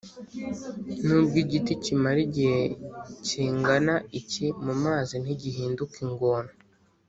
nubwo igiti kimara igihe kingana iki mumazi ntigihinduka ingona